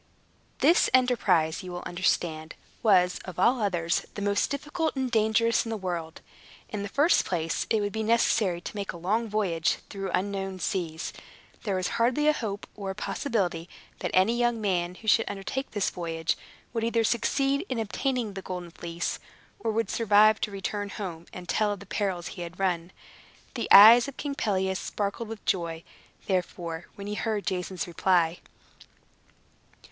This enterprise, you will understand, was, of all others, the most difficult and dangerous in the world. In the first place it would be necessary to make a long voyage through unknown seas. There was hardly a hope, or a possibility, that any young man who should undertake this voyage would either succeed in obtaining the Golden Fleece, or would survive to return home, and tell of the perils he had run. The eyes of King Pelias sparkled with joy, therefore, when he heard Jason's reply.